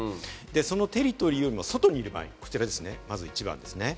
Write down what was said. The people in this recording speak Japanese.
そのテリトリーよりも外にいる場合、こちら、まず一番。